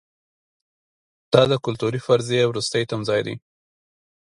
دا د کلتوري فرضیې وروستی تمځای دی.